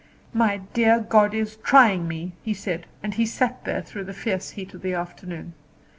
"My dear God is trying me," he said; and he sat there through the fierce heat of the afternoon.